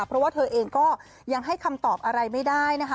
เพราะว่าเธอเองก็ยังให้คำตอบอะไรไม่ได้นะคะ